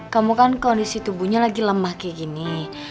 kamu kan kondisi tubuhnya lagi lemah kayak gini